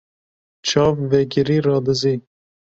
Çav vekirî radizê.